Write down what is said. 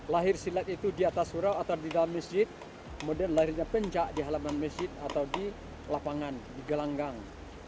lahir silat itu di atas surau atau di dalam masjid kemudian lahirnya pencak di halaman masjid atau di lapangan di gelanggang